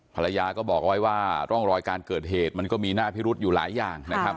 ภรรยาก็บอกเอาไว้ว่าร่องรอยการเกิดเหตุมันก็มีหน้าพิรุษอยู่หลายอย่างนะครับ